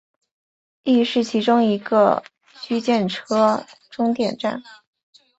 亦是其中一个区间车终点站。